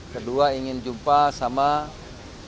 kedua ingin jumpa sama pak